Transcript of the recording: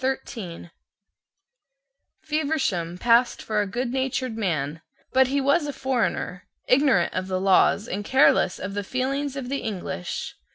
Feversham passed for a goodnatured man: but he was a foreigner, ignorant of the laws and careless of the feelings of the English.